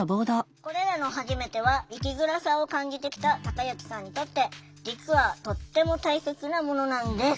これらのはじめては生きづらさを感じてきたたかゆきさんにとって実はとっても大切なものなんです。